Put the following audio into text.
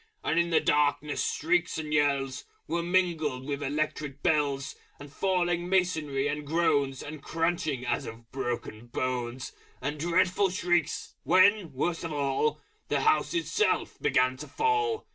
And in the darkness shrieks and yells Were mingled with Electric Bells, And falling masonry and groans, And crunching, as of broken bones, And dreadful shrieks, when, worst of all, The House itself began to fall!